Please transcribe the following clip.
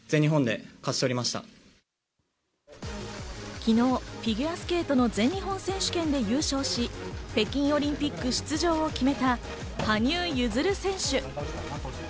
昨日、フィギュアスケートの全日本選手権で優勝し、北京オリンピック出場を決めた羽生結弦選手。